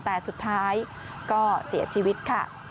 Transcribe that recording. แต่สุดท้ายก็เสียชีวิตค่ะ